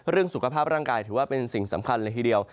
เรื่องสุขภาพร่างกายถือว่าเป็นสิ่งสำคัญเลยทีเดียว